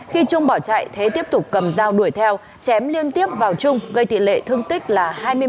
khi trung bỏ chạy thế tiếp tục cầm dao đuổi theo chém liên tiếp vào trung gây tỷ lệ thương tích là hai mươi một